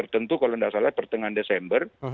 tentu kalau tidak salah pertengahan desember